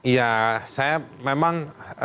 ya saya memang